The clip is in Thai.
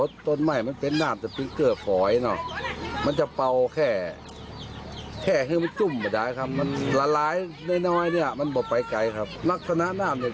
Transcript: ดั้นขึ้นมาจะออกอ่ะหาที่ออกอ่ะ